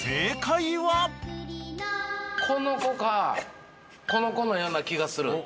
この子かこの子のような気がする。